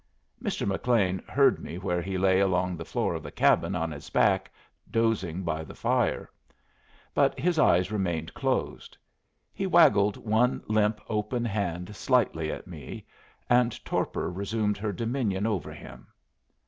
Mr. McLean heard me where he lay along the floor of the cabin on his back, dozing by the fire; but his eyes remained closed. He waggled one limp, open hand slightly at me, and torpor resumed her dominion over him.